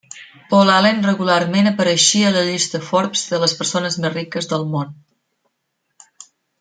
Paul Allen regularment apareixia a la llista Forbes de les persones més riques del món.